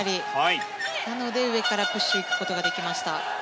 なので、上からプッシュに行くことができました。